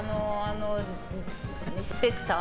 スペクター。